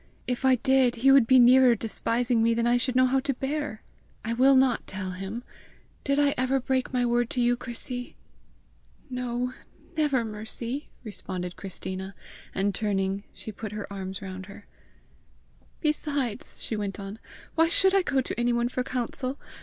If I did, he would be nearer despising me than I should know how to bear. I will not tell him. Did I ever break my word to you, Chrissy?" "No, never, Mercy!" responded Christina, and turning she put her arms round her. "Besides," she went on, "why should I go to anyone for counsel?